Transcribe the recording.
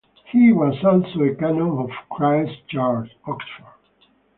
He was also a canon of Christ Church, Oxford.